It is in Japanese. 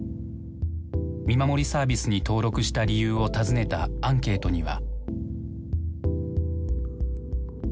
見守りサービスに登録した理由を尋ねたアンケートには。